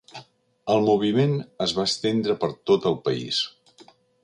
El moviment es va estendre per tot el país.